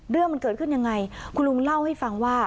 เรื่องมันเกิดขึ้นยังไงคุณลุงเล่าให้ฟังว่า